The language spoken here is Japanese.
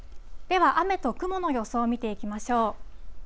では、雨と雲の予想を見ていきましょう。